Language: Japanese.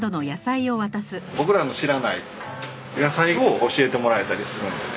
僕らの知らない野菜を教えてもらえたりするんでね